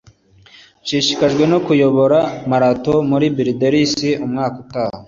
nshishikajwe no kuyobora marato muri bildersee umwaka utaha